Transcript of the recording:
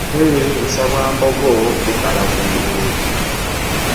Ate busa bwa mbogp bukala ku ngulu .